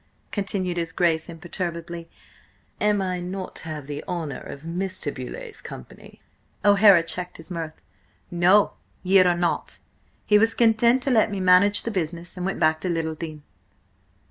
continued his Grace imperturbably. "Am I not to have the honour of Mr. Beauleigh's company?" O'Hara checked his mirth. "No, ye are not! He was content to let me manage the business, and went back to Littledean."